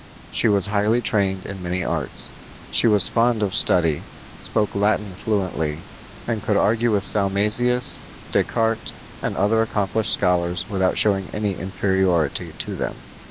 She was highly trained in many arts. She was fond of study, spoke Latin fluently, and could argue with Salmasius, Descartes, and other accomplished scholars without showing any inferiority to them.